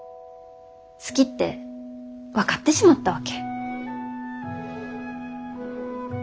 好きって分かってしまったわけ。